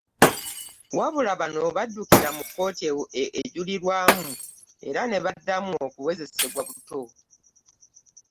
Wabula bano baddukira mu kkooti ejulirwamu era ne baddamu okuwozesebwa buto